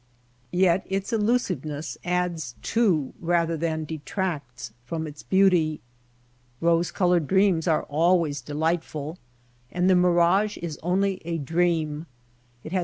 Yet its illusiveness adds to, rather than de tracts from, its beauty. Kose colored dreams are always delightful ; and the mirage is only a dream.